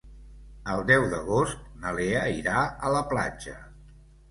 El deu d'agost na Lea irà a la platja.